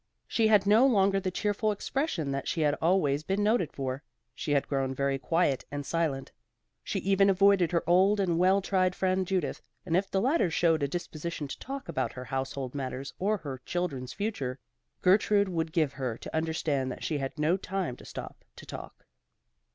She had no longer the cheerful expression that she had always been noted for. She had grown very quiet and silent. She even avoided her old and well tried friend Judith, and if the latter showed a disposition to talk about her household matters or her children's future, Gertrude would give her to understand that she had no time to stop to talk.